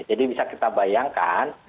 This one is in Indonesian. jadi bisa kita bayangkan